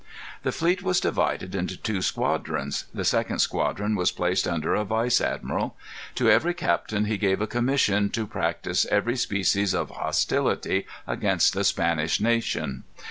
The fleet was divided into two squadrons. The second squadron was placed under a vice admiral. To every captain he gave a commission to practise every species of hostility against the Spanish nation.